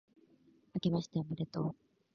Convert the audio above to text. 明けましておめでとう